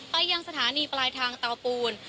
ไปยังสถานีปลายทางเตาปูน